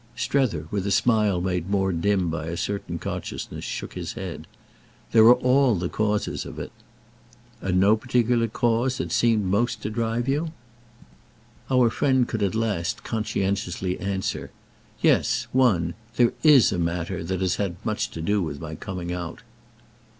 Strether, with a smile made more dim by a certain consciousness, shook his head. "There are all the causes of it!" "And no particular cause that seemed most to drive you?" Our friend could at last conscientiously answer. "Yes. One. There is a matter that has had much to do with my coming out."